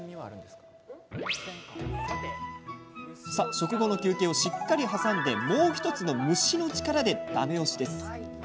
食後の休憩をしっかり挟んでもう１つの蒸しの力でだめ押しです。